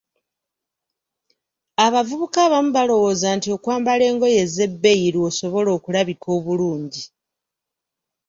Abavubuka abamu balowooza nti okwambala engoye ez‘ebbeeyi lw'osobola okulabika obulungi!